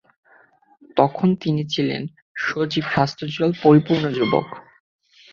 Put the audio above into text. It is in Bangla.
তখন তিনি ছিলেন সজীব স্বাস্থ্যোজ্জ্বল পরিপূর্ণ যুবক।